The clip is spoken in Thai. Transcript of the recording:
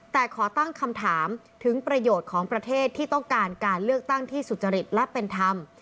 แต่ขอตั้งคำถามถึงประโยชน์ของประเทศที่ต้องการการเลือกตั้งที่สุจริตและเป็นธรรม